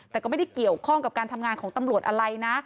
แต่ก็ไม่ได้เกี่ยวข้องกับการทำงานของตำรวจอะไรนะ